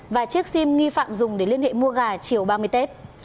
và chiếc sim nghi phạm dùng để liên hệ mua gà chiều ba mươi tết